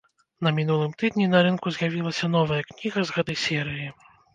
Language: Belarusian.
На мінулым тыдні на рынку з'явілася новая кніга з гэтай серыі.